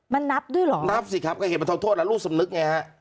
มันนับด้วยเหรอนับสิครับก็เห็นบรรเทาโทษแล้วลูกสำนึกไงฮะ